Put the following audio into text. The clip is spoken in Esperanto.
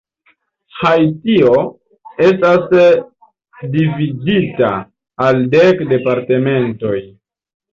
Haitio estas dividita al dek departementoj.